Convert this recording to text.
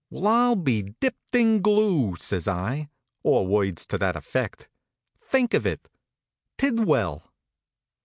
"Well, I ll be dipped in glue!" says I, or words to that effect. Think of it ! Tidwell!"